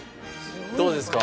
どうですか？